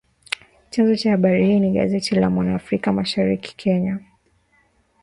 Chanzo cha habari hii ni gazeti la Mwana Afrika Mashariki, Kenya